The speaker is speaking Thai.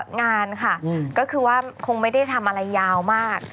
งานค่ะก็คือว่าคงไม่ได้ทำอะไรยาวมาก